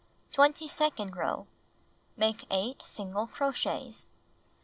Twenty second row: Make 8 single crochets.